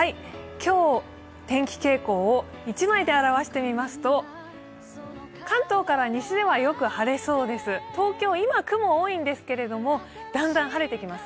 今日の天気傾向を１枚で表してみますと、関東から西では、よく晴れそうです東京、今、雲が多いんですけどだんだん晴れてきます。